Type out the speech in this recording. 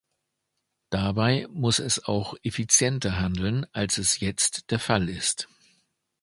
Dabei muss es auch effizienter handeln, als es jetzt der Fall ist.